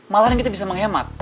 malah kita bisa menghemat